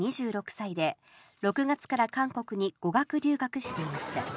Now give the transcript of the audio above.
２６歳で、６月から韓国に語学留学していました。